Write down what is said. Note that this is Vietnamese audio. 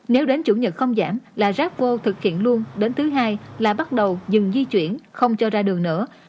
nếu đến chủ nhật không giảm là rác vô thực hiện luôn đến thứ hai là bắt đầu dừng di chuyển không cho ra đường nữa